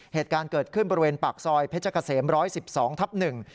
เหตุการณ์เกิดขึ้นบริเวณปากซอยเพชรเกษม๑๑๒ทับหนึ่ง